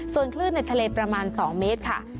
ส่วนคลื่นในทะเลประมาณ๒เมตรค่ะ